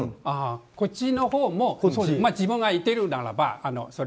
こっちのほうも自分が言ってるならば。